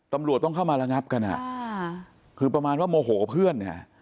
ตำรวจต้องเข้ามาระงับกันอ่ะคือประมาณว่าโมโหเพื่อนเนี่ย